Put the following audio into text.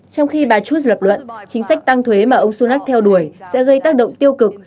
trong khi bà trudez lập luận chính sách tăng thuế mà ông sunak theo đuổi sẽ gây tác động tiêu cực